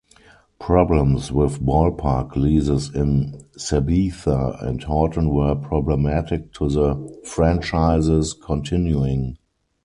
Problems with ballpark leases in Sabetha and Horton were problematic to the franchises continuing.